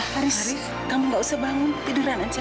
haris kamu gak usah bangun tiduran aja